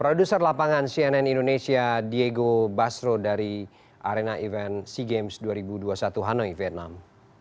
produser lapangan cnn indonesia diego basro dari arena event sea games dua ribu dua puluh satu hanoi vietnam